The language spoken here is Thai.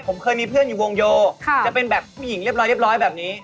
ผมเคยมีเพื่อนอยู่วงโยจะเป็นแบบผู้หญิงเรียบร้อยเรียบร้อยแบบนี้